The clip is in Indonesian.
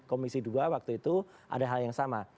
komisi dua waktu itu ada hal yang sama